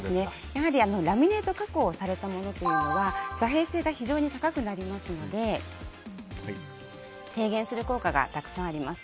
やはりラミネート加工をされたものというのは遮蔽性が非常に高くなりますので低減する効果がたくさんあります。